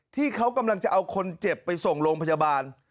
ที่เขากำลังจะเอาคนเจ็บไปส่งโรงพยาบาล